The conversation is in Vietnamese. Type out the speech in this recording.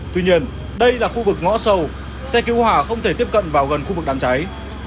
tuy nhiên đây là khu vực ngõ sâu xe cứu hỏa không thể tiếp cận vào gần khu vực đám cháy